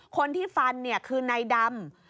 คนที่ฟันคือนายดำ